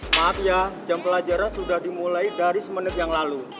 maaf ya jam pelajaran sudah dimulai dari semenit yang lalu